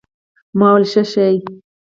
ما وويل ښه شى.